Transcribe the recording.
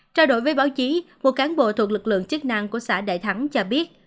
trao đổi với báo chí một cán bộ thuộc lực lượng chức năng của xã đại thắng cho biết